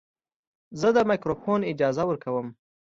زه د مایکروفون اجازه ورکوم.